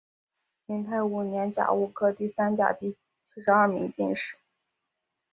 景泰五年甲戌科第三甲第七十二名进士。